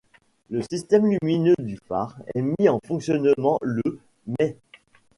Le système lumineux du phare est mis en fonctionnement le mai.